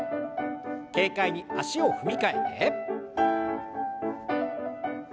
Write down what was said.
軽快に足を踏み替えて。